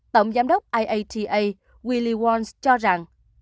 tổng giám đốc iata willie walsh cho rằng